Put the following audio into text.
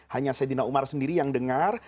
hanya sayyidina umar sendiri yang dengar